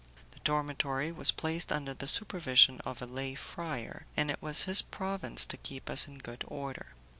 The dormitory was placed under the supervision of a lay friar, and it was his province to keep us in good order.